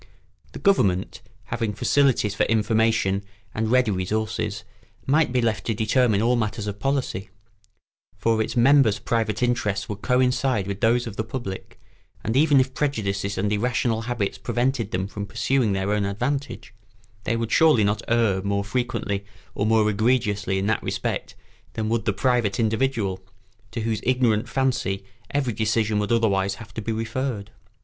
The government, having facilities for information and ready resources, might be left to determine all matters of policy; for its members' private interests would coincide with those of the public, and even if prejudices and irrational habits prevented them from pursuing their own advantage, they would surely not err more frequently or more egregiously in that respect than would the private individual, to whose ignorant fancy every decision would otherwise have to be referred.